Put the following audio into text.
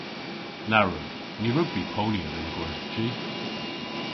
Na wrug. Ny wrug vy ponya dhe'n gwerthji.